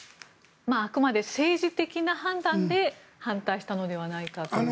あくまで政治的な判断で反対したのではないかという。